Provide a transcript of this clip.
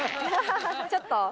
ちょっと。